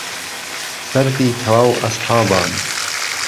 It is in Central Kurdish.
فەردی تهواو ئهسحابان